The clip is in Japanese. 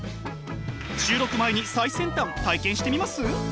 収録前に最先端体験してみます？